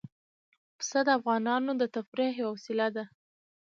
پسه د افغانانو د تفریح یوه وسیله ده.